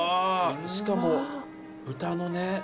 しかも豚のね